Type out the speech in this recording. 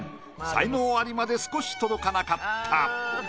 才能アリまで少し届かなかった。